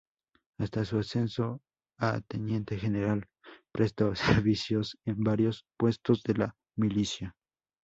Hasta su ascenso a teniente general prestó servicios en varios puestos de la milicia.